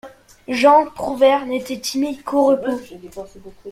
Jean Prouvaire n’était timide qu’au repos.